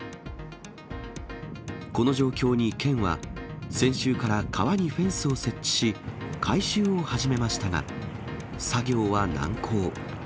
この状況に県は、先週から川にフェンスを設置し、回収を始めましたが、作業は難航。